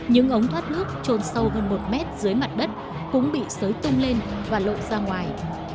nhưng ống thoát nước trôn sâu hơn một mét dưới mặt đất cũng bị sới tung lên và lộn ra ngoài